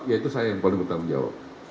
yaitu saya yang paling bertanggung jawab